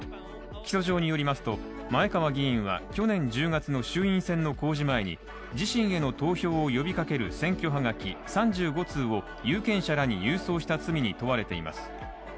起訴状によりますと前川議員は去年１０月の衆院選の公示前に自身への投票を呼びかける選挙はがき３５通を有権者らに郵送した罪に問われています。